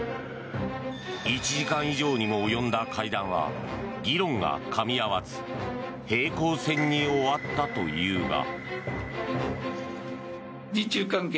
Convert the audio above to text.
１時間以上にも及んだ会談は議論がかみ合わず平行線に終わったというが。